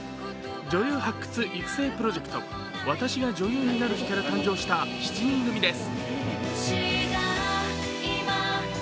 女優発掘・育成プロジェクト、「『私が女優になる日＿』」から誕生した７人組です。